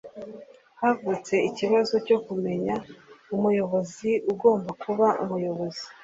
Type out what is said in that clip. Havutse ikibazo cyo kumenya umuyobozi ugomba kuba umuyobozi.